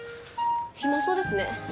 暇そうですね。